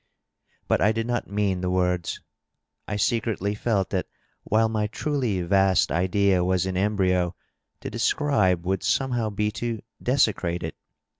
But I did not mean the words. I secretly felt that while my truly vast idea was in embryo, to describe would somehow be to dese crate it.